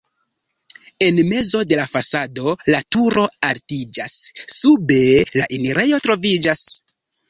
En mezo de la fasado la turo altiĝas, sube la enirejo troviĝas.